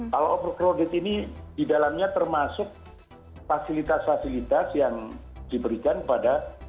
kalau over proget ini di dalamnya termasuk fasilitas fasilitas yang diberikan pada